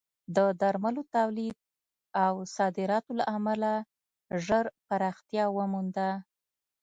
د درملو تولید او صادراتو له امله ژر پراختیا ومونده.